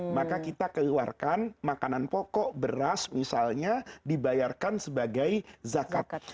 maka kita keluarkan makanan pokok beras misalnya dibayarkan sebagai zakat